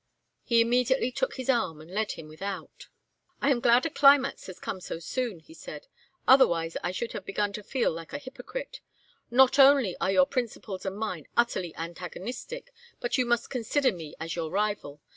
He immediately took his arm and led him without. "I am glad a climax has come so soon," he said. "Otherwise I should have begun to feel like a hypocrite. Not only are your principles and mine utterly antagonistic, but you must consider me as your rival.